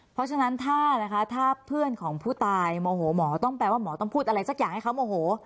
เพราะฉะนั้นถ้านะคะถ้าเพื่อนของผู้ตายโมโหหมอต้องแปลว่าหมอต้องพูดอะไรสักอย่างให้เขาโมโห